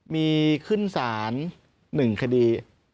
มีขึ้นศาล๑คดี